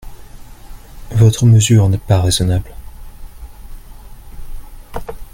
Votre mesure n’est pas raisonnable.